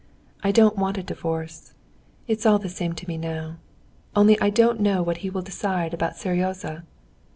"I don't want a divorce; it's all the same to me now. Only I don't know what he will decide about Seryozha."